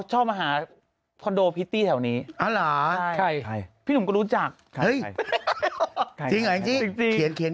จริงเหรอแอ๋งจี้เขียน